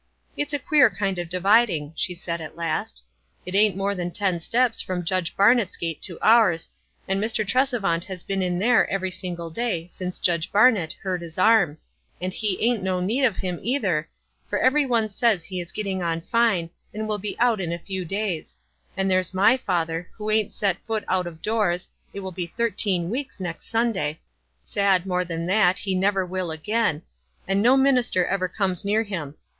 " It's queer kind of dividing," she said at last. K It ain't more than ten steps from Judge Bar nett's gate to ours, and Mr. Tresevant has been in there every single day since Judge Burnett hurt his arm ; and he ain't no need of him, either, tor every one says he is getting on fine, and will be out in a few days ; and there's my father, who ain't set foot out of doors, it will be thirteen weeks next Sunday — ajid, more than that, he never will again — and no minister ever comes near him.